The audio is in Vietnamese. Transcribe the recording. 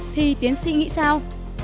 thì tiến sĩ nghĩ sao